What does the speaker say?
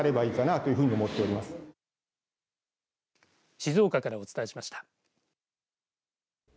静岡からお伝えしました。